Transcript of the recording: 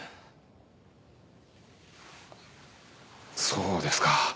そうですか。